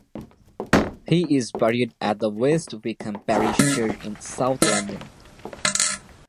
He is buried at the West Wickham Parish Church in South London.